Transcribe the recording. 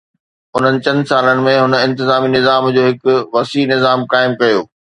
انهن چند سالن ۾ هن انتظامي نظام جو هڪ وسيع نظام قائم ڪيو.